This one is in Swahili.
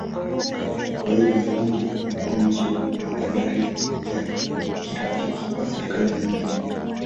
Kwa kawaida, Malindi umekuwa mji na bandari ya kirafiki kwa serikali zingine.